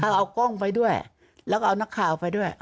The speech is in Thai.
เอากล้องไปด้วยแล้วก็เอานักข่าวไปด้วย